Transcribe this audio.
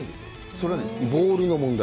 それはボールの問題？